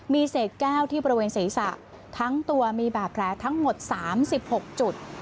มีเศษแก้วที่บริเวณศีรษะทั้งตัวมีบาดแผลทั้งหมด๓๖จุด